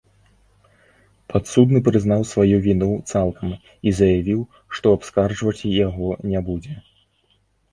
Падсудны прызнаў сваю віну цалкам і заявіў, што абскарджваць яго не будзе.